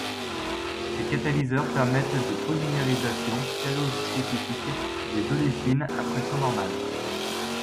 Ces catalyseurs permettent des polymérisations stéréospécifiques des oléfines à pression normale.